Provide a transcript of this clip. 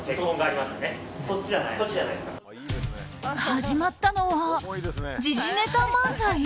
始まったのは、時事ネタ漫才？